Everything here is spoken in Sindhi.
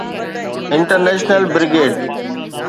International brigade.